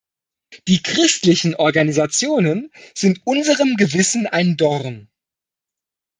Die christlichen Organisationen sind unserem Gewissen ein Dorn.